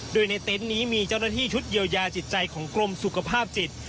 โดยในเต็นต์นี้มีเจ้าหน้าที่ชุดเยียวยาจิตใจของกรมสุขภาพจิต